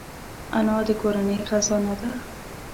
انا د کورنۍ خزانه ده